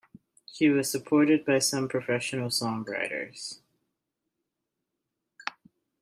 She was supported by some professional songwriters.